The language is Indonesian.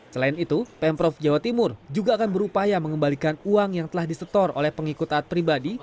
selain itu pemprov jawa timur juga akan berupaya mengembalikan uang yang telah disetor oleh pengikut taat pribadi